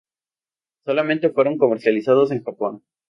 Solamente fueron comercializados en Japón.